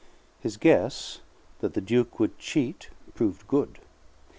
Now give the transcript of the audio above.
His guess that the Duke would cheat proved good.